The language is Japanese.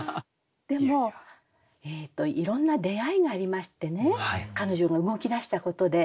でもいろんな出会いがありましてね彼女が動きだしたことで。